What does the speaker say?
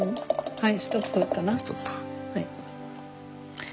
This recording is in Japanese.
はい。